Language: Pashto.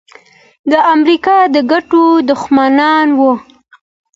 د امریکا د ګټو دښمنان وو.